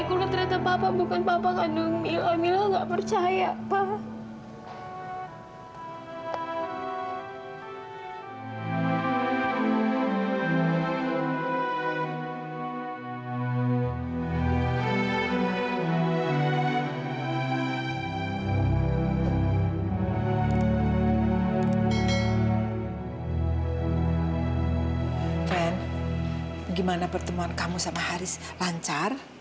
karena ternyata papa bukan papa kandung mila